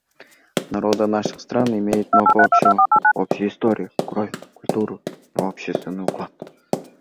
Народы наших стран имеют много общего: общую историю, кровь, культуру и общественный уклад.